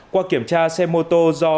qua kiểm tra xe mô tô do